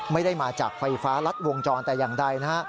ไม่ได้มาจากไฟฟ้ารัดวงจรแต่อย่างใดนะฮะ